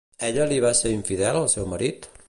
Ella li va ser infidel al seu marit?